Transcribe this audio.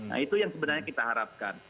nah itu yang sebenarnya kita harapkan